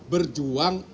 berjuang untuk apa